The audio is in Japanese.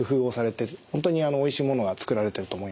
本当においしいものが作られてると思います。